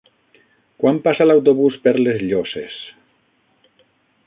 Quan passa l'autobús per les Llosses?